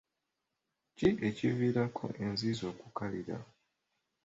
Ki ekiviirako enzizi okukalira?